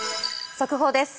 速報です。